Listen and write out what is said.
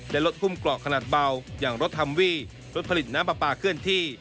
และลดทุ่มกรอกขนาดเบาอย่างรถฮัมวี่รถผลิตน้ำปลาปลาเคลื่อนที่